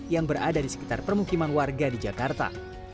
yang berada di sekitar permukiman warga di jakarta